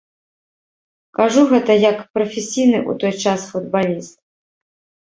Кажу гэта як прафесійны ў той час футбаліст.